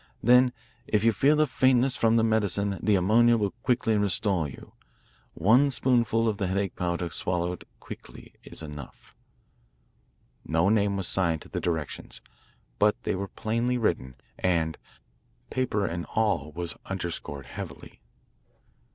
Then if you feel a faintness from the medicine the ammonia will quickly restore you. One spoonful of the headache powder swallowed quickly is enough.'" No name was signed to the directions, but they were plainly written, and "paper and all" was underscored heavily.